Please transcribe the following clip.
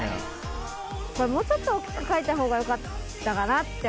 これもうちょっと大きく書いたほうがよかったかなって